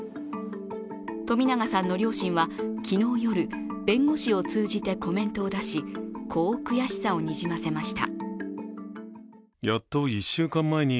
冨永さんの両親は昨日夜、弁護士を通じてコメントを出し、こう悔しさをにじませました。